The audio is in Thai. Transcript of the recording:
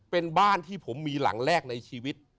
เป็นบ้านที่ผมมีหลังแรกในชีวิต